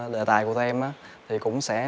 đề tài của thêm thì cũng sẽ